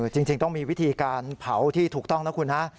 จริงต้องมีวิธีการเผาที่ถูกต้องนะคุณฮะ